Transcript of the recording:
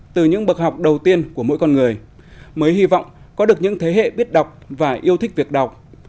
từ những bậc học đầu tiên của mỗi con người mới hy vọng có được những thế hệ biết đọc và yêu thích việc đọc